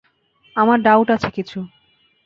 আমার ডাউট আছে কিছু।